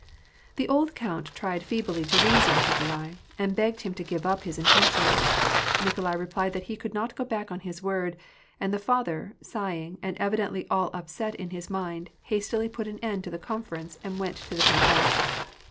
The old count tried feebly to reason with Nikolai, and begged him to give up his intention. Nikolai replied that he could not go back on his word ; and the father, sighing, and evidently all upset in his mind, hastily put an end to the conference and went to the countess.